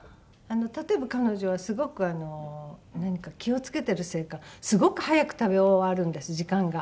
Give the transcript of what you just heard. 例えば彼女はすごく何か気を付けてるせいかすごく早く食べ終わるんです時間が。